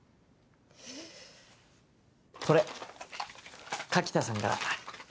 これ柿田さんから。